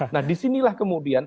nah disinilah kemudian